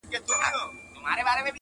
افسانې د برېتورو- ږيرورو-